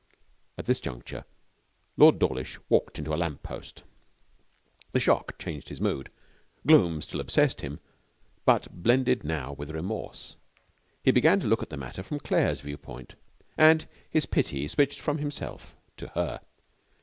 At this juncture Lord Dawlish walked into a lamp post. The shock changed his mood. Gloom still obsessed him, but blended now with remorse. He began to look at the matter from Claire's viewpoint, and his pity switched from himself to her.